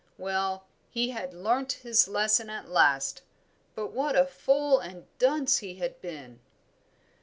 Well, he had learnt his lesson at last; but what a fool and dunce he had been!